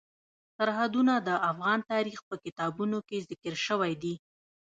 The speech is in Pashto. سرحدونه د افغان تاریخ په کتابونو کې ذکر شوی دي.